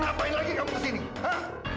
ngapain lagi kamu kesini